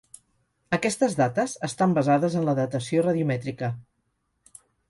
Aquestes dates estan basades en la datació radiomètrica.